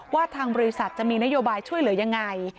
ว่าทางบริษัทจะมีนโยบายช่วยเหลือยังไง